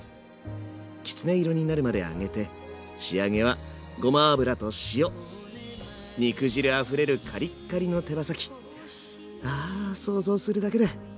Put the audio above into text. きつね色になるまで揚げて仕上げはごま油と塩肉汁あふれるカリッカリの手羽先。